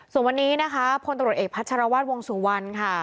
ส่วนวันนี้นะคะพลตรวจเอกพัชรวาสวงสุวรรณค่ะ